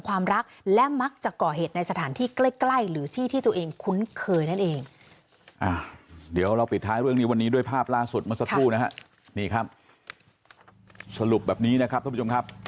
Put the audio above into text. สรุปแบบนี้นะครับท่านผู้ชมครับ